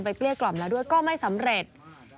เกลี้ยกล่อมแล้วด้วยก็ไม่สำเร็จ